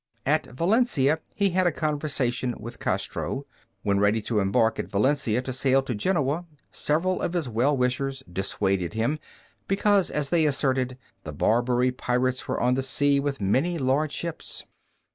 At Valencia he had a conversation with Castro. When ready to embark at Valencia to sail to Genoa, several of his well wishers dissuaded him, because, as they asserted, the Barbary pirates were on the sea with many large ships.